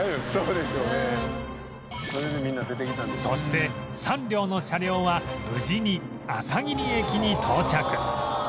そして３両の車両は無事にあさぎり駅に到着